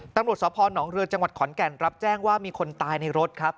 ตำรวจสพนเรือจังหวัดขอนแก่นรับแจ้งว่ามีคนตายในรถครับ